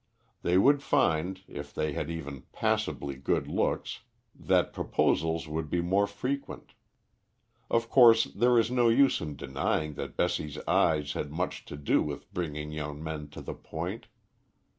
They would find, if they had even passably good looks, that proposals would be more frequent. Of course there is no use in denying that Bessie's eyes had much to do with bringing young men to the point.